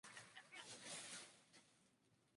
Se desconoce su tipo de biotopo.